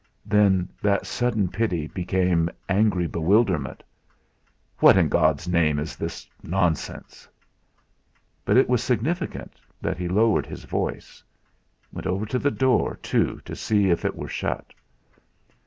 Then that sudden pity became angry bewilderment. "What in God's name is this nonsense?" But it was significant that he lowered his voice; went over to the door, too, to see if it were shut.